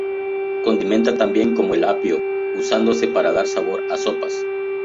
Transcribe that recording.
Condimenta tan bien como el apio, usándose para dar sabor a sopas.